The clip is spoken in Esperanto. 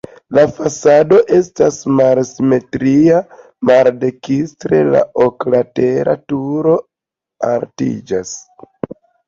La fasado estas malsimetria, maldekstre la oklatera turo altiĝas.